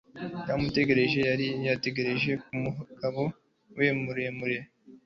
yaramutegereje, yari yatekereje kumugabo we muremure